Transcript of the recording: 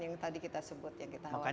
yang tadi kita sebut yang kita khawatirkan